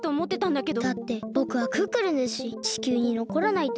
だってぼくはクックルンですし地球にのこらないと。